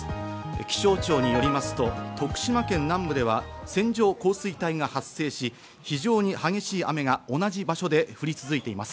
気象庁によりますと、徳島県南部では線状降水帯が発生し、非常に激しい雨が同じ場所で降り続いています。